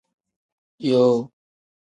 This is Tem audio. Yoo.